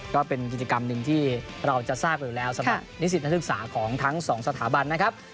ก็เป็นกิจกรรมหนึ่งที่เราจะทราบอยู่แล้วสมัครนิสิทธิศึกษาของทั้งสองสถาบัน